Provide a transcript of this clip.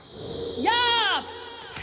やあ！